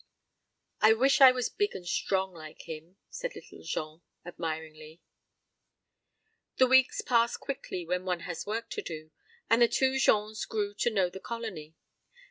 "I wish I was big and strong like him," said Little Jean, admiringly.... ... The weeks pass quickly when one has his work to do, and the two Jeans grew to know the Colony.